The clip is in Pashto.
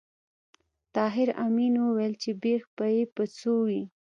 طاهر آمین وویل چې بېخ به یې په څو وي